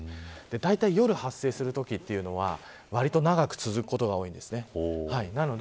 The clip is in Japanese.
だいたい夜に発生するときというのはわりと長く続くことが多いです。